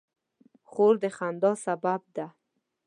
خور د خندا سبب ده.